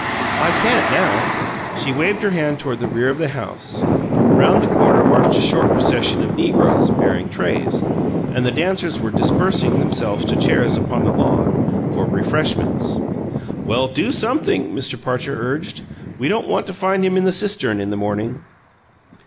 "I can't now." She waved her hand toward the rear of the house. Round the corner marched a short procession of negroes, bearing trays; and the dancers were dispersing themselves to chairs upon the lawn "for refreshments." "Well, do something," Mr. Parcher urged. "We don't want to find him in the cistern in the morning!"